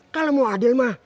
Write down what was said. kalau mau adil mah